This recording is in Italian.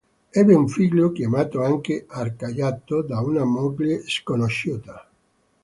Ebbe un figlio, chiamato anche Arcagato, da una moglie sconosciuta.